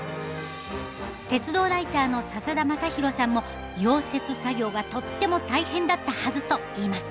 鉄道ライターの笹田昌宏さんも溶接作業がとっても大変だったはずといいます。